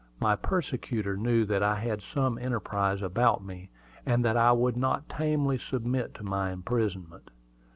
My persecutor knew that I had some enterprise about me, and that I would not tamely submit to my imprisonment.